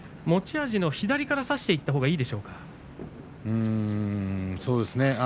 持ち味の左から差していったほうがいいでしょうか？